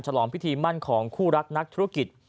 ลองพิธีมั่นของคู่รักนักธุรกิจ